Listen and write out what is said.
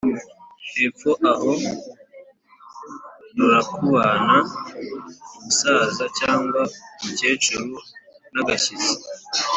Hepfo aha rurakubana-Umusaza cyangwa umukecuru n'agashyitsi.